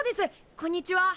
こんにちは。